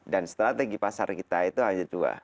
dan strategi pasar kita itu hanya dua